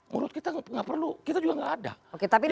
menurut kita gak perlu kita juga gak ada